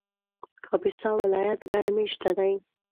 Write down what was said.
کاپیسا ولایت ګڼ مېشته دی